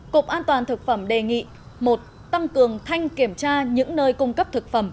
cục an toàn thực phẩm đề nghị một tăng cường thanh kiểm tra những nơi cung cấp thực phẩm